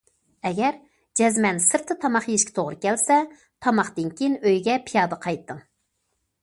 ئەگەر جەزمەن سىرتتا تاماق يېيىشكە توغرا كەلسە، تاماقتىن كېيىن ئۆيگە پىيادە قايتىڭ.